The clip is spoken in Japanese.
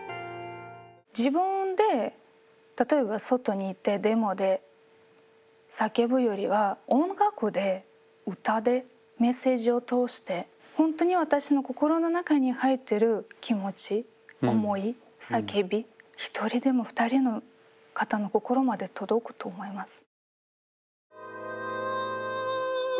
自分で例えば外に行ってデモで叫ぶよりは音楽で歌でメッセージを通してほんとに私の心の中に入ってる気持ち思い叫び１人でも２人の方の心まで届くと思います。